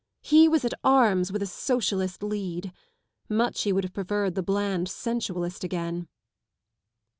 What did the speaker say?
He was at arms with a Socialist lead. Much he would have preferred the bland sensualist again.